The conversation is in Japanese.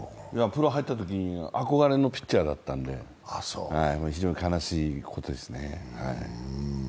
プロ入ったときに憧れのピッチャーだったんで、非常に悲しいことですね。